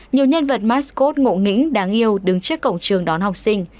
nhiều nhân vật mascode ngộ nghĩnh đáng yêu đứng trước cổng trường đón học sinh